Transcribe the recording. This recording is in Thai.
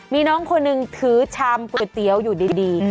มีน้องคนหนึ่งถือชามก๋วยเตี๋ยวอยู่ดี